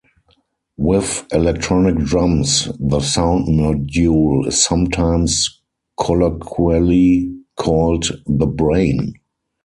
With electronic drums, the sound module is sometimes colloquially called the "brain".